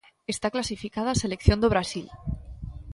Está clasificada a selección do Brasil.